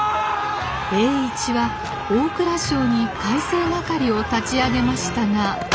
栄一は大蔵省に改正掛を立ち上げましたが。